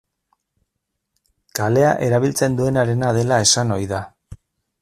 Kalea erabiltzen duenarena dela esan ohi da.